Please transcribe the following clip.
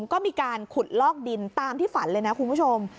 ก็มีการขุดลอกดินตามที่ฝันเลยนะคุณผู้ชม